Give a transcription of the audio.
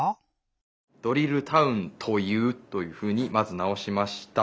「ドリルタウン『という』」というふうにまずなおしました。